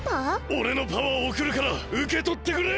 おれのパワーをおくるからうけとってくれ！